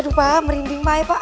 aduh pak merinding pak ya pak